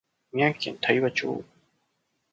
宮城県大和町